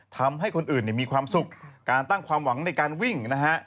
ทำให้คนอื่นมีความสุขการตั้งความหวังในการวิ่งนะฮะ